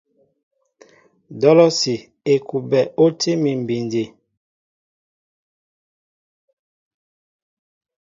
Dolosi / Ekuɓɛ o tí mi bindi.